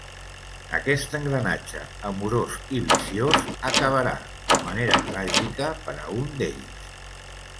Aquest engranatge amorós i viciós acabarà de manera tràgica per a un d'ells.